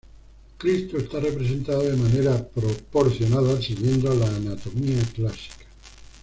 Cristo está representado de manera proporcionada, siguiendo la anatomía clásica.